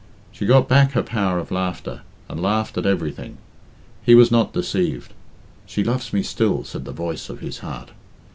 She got back her power of laughter, and laughed at everything. He was not deceived. "She loves me still," said the voice of his heart.